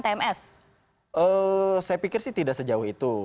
saya pikir sih tidak sejauh itu